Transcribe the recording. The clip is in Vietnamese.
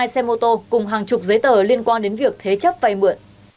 hai xe mô tô cùng hàng chục giấy tờ liên quan đến việc thế chấp vay mượn